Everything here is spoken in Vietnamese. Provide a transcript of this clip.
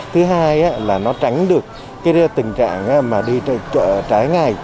thứ hai là nó tránh được cái tình trạng mà đi chợ trái ngày